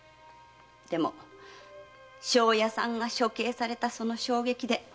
でも庄屋さんが処刑されたその衝撃で。